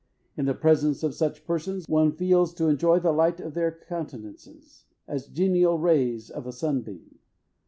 In the presence of such persons, one feels to enjoy the light of their countenances, as the genial rays of a sunbeam.